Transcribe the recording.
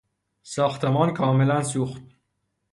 ساختمان کاملا سوخت.